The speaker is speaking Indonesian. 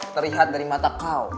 terlihat dari mata kau